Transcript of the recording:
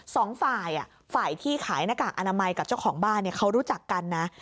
สองฝ่ายฝ่ายที่ขายหน้ากากอนามัยกับเจ้าของบ้านเขารู้จักกันนะ